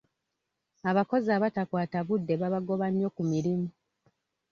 Abakozi abatakwata budde babagoba nnyo ku mirimu.